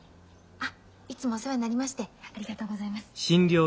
あっいつもお世話になりましてありがとうございます。